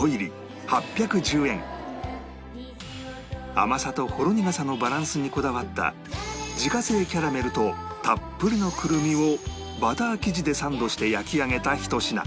甘さとほろ苦さのバランスにこだわった自家製キャラメルとたっぷりのクルミをバター生地でサンドして焼き上げたひと品